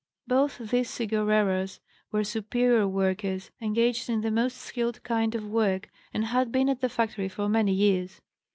Both these cigarreras were superior workers, engaged in the most skilled kind of work, and had been at the factory for many years.